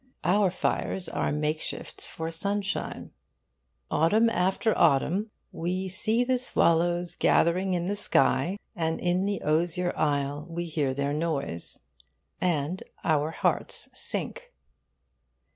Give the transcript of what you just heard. Our fires are makeshifts for sunshine. Autumn after autumn, 'we see the swallows gathering in the sky, and in the osier isle we hear their noise,' and our hearts sink.